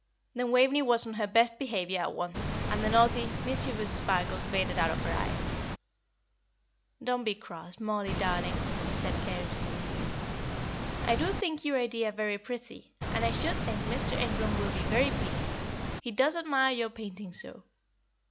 Then Waveney was on her best behaviour at once, and the naughty, mischievous sparkle faded out of her eyes. "Don't be cross, Mollie darling," she said caressingly. "I do think your idea very pretty, and I should think Mr. Ingram will be very pleased, he does admire your painting so.